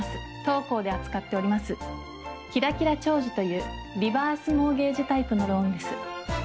当行で扱っております「キラキラ長寿」というリバースモーゲージタイプのローンです。